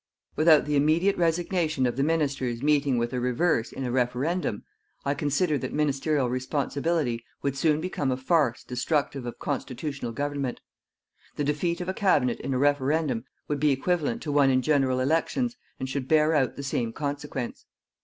Without the immediate resignation of the ministers meeting with a reverse in a referendum, I consider that ministerial responsibility would soon become a farce destructive of constitutional government. The defeat of a Cabinet in a referendum would be equivalent to one in general elections and should bear out the same consequence.